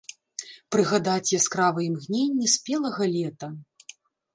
Прыгадаць яскравыя імгненні спелага лета.